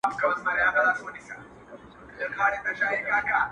• ادبي محفلونو کي یې شعرونه لوستل -